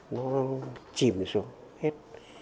nó chìm xuống hết